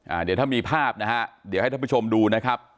อ่าเดี๋ยวถ้ามีภาพนะฮะเดี๋ยวให้ท่านผู้ชมดูนะครับ